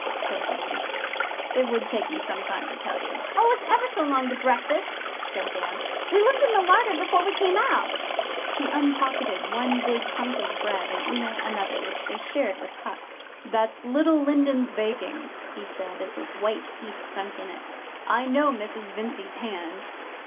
said Dan. 'It would take me some time to tell you.' 'Oh, it's ever so long to breakfast,' said Dan. 'We looked in the larder before we came out.' He unpocketed one big hunk of bread and Una another, which they shared with Puck. 'That's Little Lindens' baking,' he said, as his white teeth sunk in it. 'I know Mrs Vincey's hand.